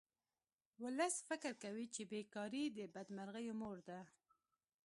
ولس فکر کوي چې بې کاري د بدمرغیو مور ده